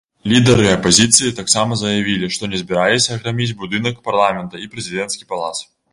Лідары апазіцыі таксама заявілі, што не збіраліся граміць будынак парламента і прэзідэнцкі палац.